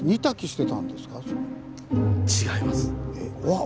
違います。